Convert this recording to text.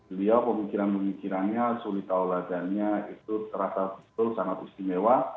beliau pemikiran pemikirannya sulit tauladannya itu terasa betul sangat istimewa